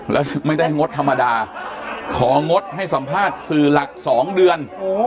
แล้วไม่ได้งดธรรมดาของงดให้สัมภาษณ์สื่อหลัก๒เดือน